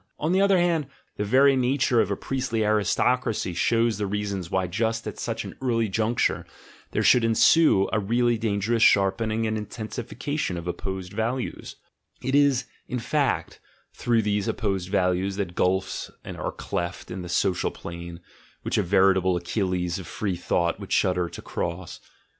On the other hand, the very nature of a priestly aristocracy shows the reasons why just at such an early "GOOD AND EVIL," "GOOD AND BAD" n juncture there should ensue a really dangerous sharpen ing and intensification of opposed values: it is, in fact, through these opposed values that gulfs are cleft in the social plane, which a veritable Achilles of free thought would shudder to cross.